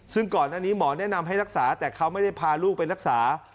ซึ่งก่อนอันนี้หมอแนะนำให้รักษาแต่เขาไม่ได้พาลูกไปรักษา